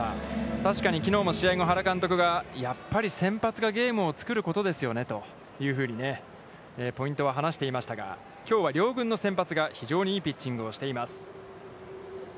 確かにきのうも試合後原監督がやっぱり先発がゲームを作ることですよねというふうに、ポイントを話していましたが、きょうは両軍の先発が非常にいいピッチングをしています。